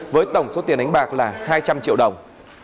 với tổng số tiền đánh bạc là hai trăm linh triệu đồng